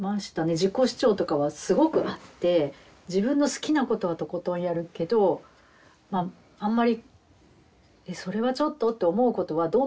自己主張とかはすごくあって自分の好きなことはとことんやるけどあんまりそれはちょっとって思うことはどんなに言われてもやらないような。